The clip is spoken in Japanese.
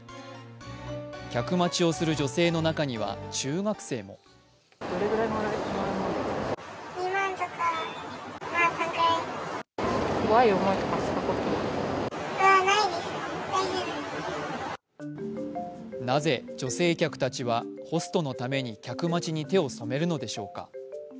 客待ちをする女性の中には中学生もなぜ、女性客たちはホストのために客待ちに手を染めるのでしょうか。